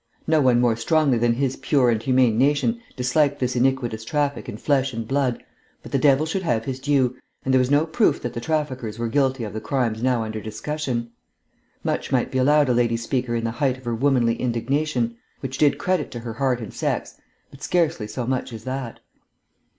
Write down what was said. No one more strongly than his pure and humane nation disliked this iniquitous traffic in flesh and blood, but the devil should have his due, and there was no proof that the traffickers were guilty of the crimes now under discussion. Much might be allowed a lady speaker in the height of her womanly indignation, which did credit to her heart and sex, but scarcely so much as that.